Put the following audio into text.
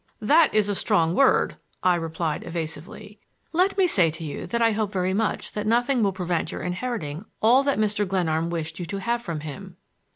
"That is a strong word," I replied evasively. "Let me say to you that I hope very much that nothing will prevent your inheriting all that Mr. Glenarm wished you to have from him."